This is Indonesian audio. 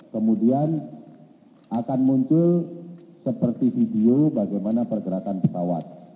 kemudian akan muncul seperti video bagaimana pergerakan pesawat